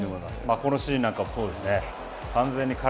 このシーンなんかもそうですよね。